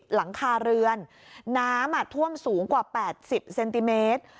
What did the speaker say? หลังคาเรือนน้ำท่วมสูงกว่า๘๐เซนติเมตร